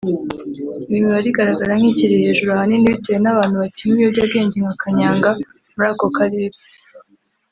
Iyi mibare igaragara nk’iri hejuru ahanini bitewe n’abantu bakinywa ibiyobyabwenge nka Kanyanga muri aka Karere